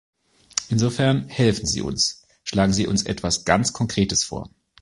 Insofern helfen Sie uns, schlagen Sie uns etwas ganz Konkretes vor.